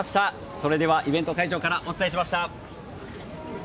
それではイベント会場からお伝えしました。